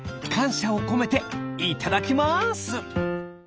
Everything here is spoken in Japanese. かんしゃをこめていただきます！